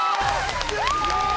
すごい。